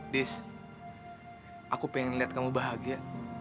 this aku pengen lihat kamu bahagia